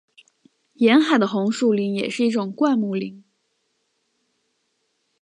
沿海的红树林也是一种灌木林。